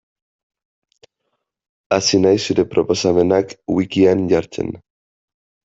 Hasi naiz zure proposamenak wikian jartzen.